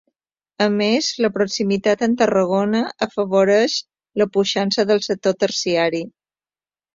A més, la proximitat amb Tarragona, afavoreix la puixança del sector terciari.